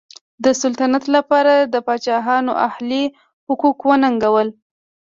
د سلطنت لپاره د پاچاهانو الهي حقوق وننګول.